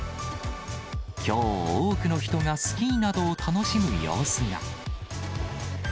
きょう、多くの人がスキーなどを楽しむ様子が。